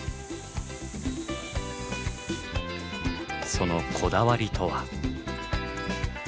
そのこだわりとは？